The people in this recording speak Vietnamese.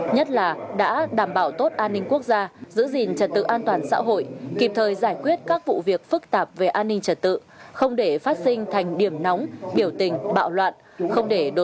nhất là đã đảm bảo tốt an ninh quốc gia giữ gìn trật tự an toàn xã hội kịp thời giải quyết các vụ việc phức tạp về an ninh trật tự không để phát sinh thành điểm nóng biểu tình bạo loạn